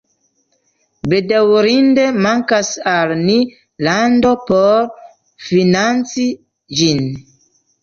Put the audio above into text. Bedaŭrinde mankas al ni lando por financi ĝin